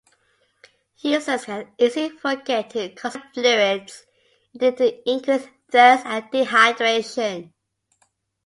Users can easily forget to consume fluids leading to increased thirst and dehydration.